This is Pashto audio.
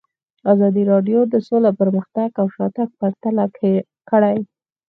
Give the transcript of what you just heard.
ازادي راډیو د سوله پرمختګ او شاتګ پرتله کړی.